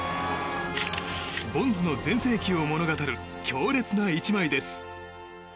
ボンズの全盛期を物語る強烈な１枚です。